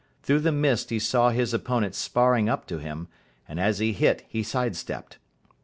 Through the mist he saw his opponent sparring up to him, and as he hit he side stepped.